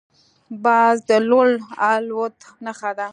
باز د لوړ الوت نښه ده